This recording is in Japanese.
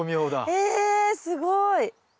えすごい。